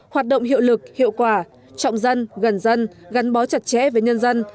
hoạt động hiệu lực hiệu quả trọng dân gần dân gắn bó chặt chẽ với nhân dân